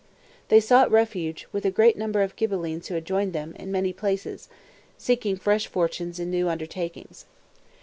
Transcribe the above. They sought refuge, with a great number of Ghibellines who had joined them, in many places, seeking fresh fortunes in new undertakings.